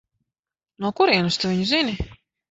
No kurienes tu viņu zini?